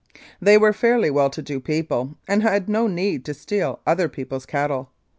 They were fairly well to do people, and had no need to steal other people's cattle.